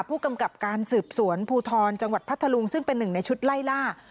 ผู้กำกับการสืบสวนภูทรจังหวัดพัทธลุงซึ่งเป็นหนึ่งในชุดไล่ล่า